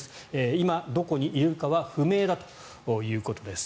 今、どこにいるかは不明だということです。